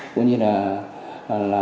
cũng như là